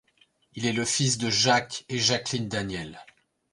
Il est le fils de Jacques et Jacqueline Daniel.